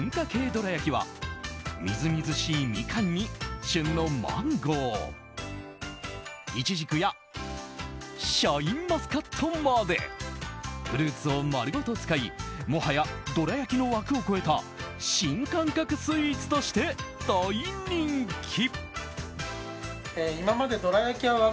どら焼きはみずみずしいミカンに旬のマンゴーイチジクやシャインマスカットまでフルーツを丸ごと使いもはや、どら焼きの枠を超えた新感覚スイーツとして大人気！